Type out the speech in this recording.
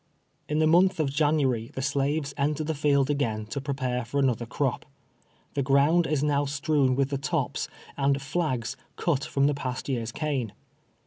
In the month of January the slaves enter the field again to prepare for another crop. The ground is now strewn with the tops, and flags cut from the past year's cane.